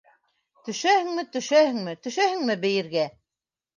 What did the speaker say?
Төшәһеңме, төшәһеңме, төшәһеңме бейергә?